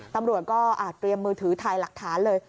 ตำรวจก็เตรียมมือถือถ่ายหลักฐานเลย